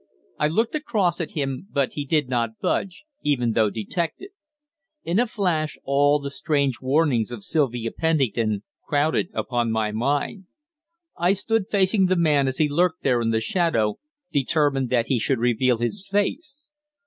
I looked across at him, but he did not budge, even though detected. In a flash, all the strange warnings of Sylvia Pennington crowded upon my mind. I stood facing the man as he lurked there in the shadow, determined that he should reveal his face.